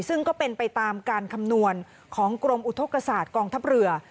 ซึ่งก็เป็นไปตามการคำนวณของกรมอุทธกษาตกองทัพเรือ